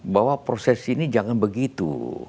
bahwa proses ini jangan begitu